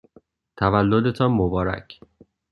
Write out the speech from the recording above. تولدتان مبارک!